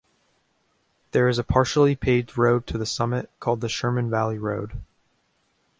There is a partially paved road to the summit called the Sherman Valley Road.